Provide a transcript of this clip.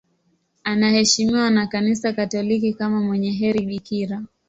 Anaheshimiwa na Kanisa Katoliki kama mwenye heri bikira.